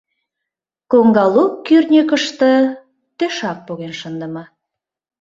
Коҥга лук кӱртньыкыштӧ тӧшак поген шындыме.